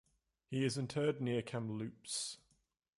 He is interred near Kamloops.